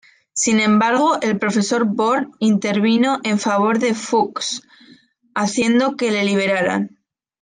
Sin embargo, el profesor Born intervino en favor de Fuchs, haciendo que le liberaran.